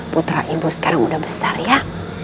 putra ibu sekarang udah besar ya